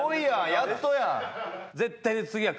やっとやん。